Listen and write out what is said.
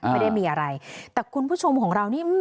ไม่ได้มีอะไรแต่คุณผู้ชมของเรานี่